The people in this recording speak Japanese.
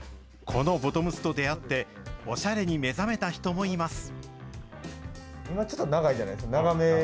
このボトムスと出会って、オシャレに目覚めた人もいます。